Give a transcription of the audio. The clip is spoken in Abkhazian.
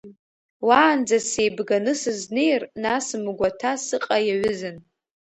Уаанӡа сеибганы сызнеир, нас мгәаҭа сыҟа иаҩызан.